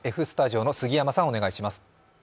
Ｆスタジオの杉山さんお願いします。